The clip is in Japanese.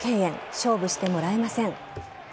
勝負してもらえません。